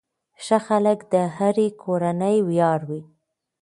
ښه خلک د هرې کورنۍ ویاړ وي.